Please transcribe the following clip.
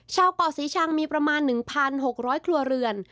เกาะศรีชังมีประมาณ๑๖๐๐ครัวเรือน